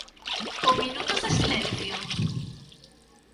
Con minutos de silencio?